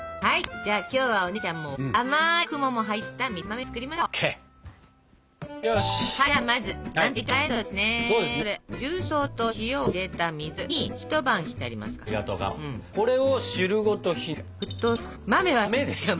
じゃあ今日はお姉ちゃんも大喜びする甘い雲の入ったみつ豆を作りましょう。